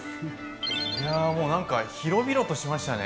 いやもうなんか広々としましたね。